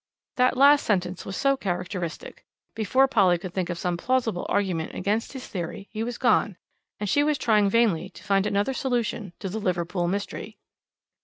That last sentence was so characteristic. Before Polly could think of some plausible argument against his theory he was gone, and she was trying vainly to find another solution to the Liverpool mystery.